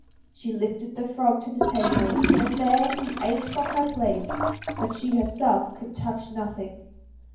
She lifted the frog to the table, and there he ate from her plate, but she herself could touch nothing.